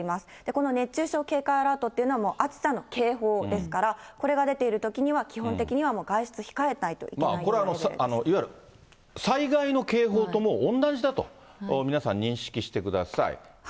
この熱中症警戒アラートというのは、もう暑さの警報ですから、これが出ているときには、基本的にはもう、これ、いわゆる災害の警報ともう同じだと、皆さん、認識してください。